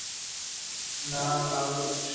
না, লাল রেড!